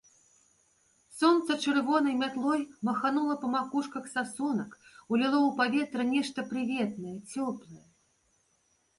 Сонца чырвонай мятлой маханула па макушках сасонак, уліло ў паветра нешта прыветнае, цёплае.